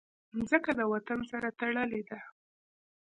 مځکه د وطن سره تړلې ده.